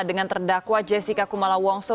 dengan terdakwa jessica kumala wongso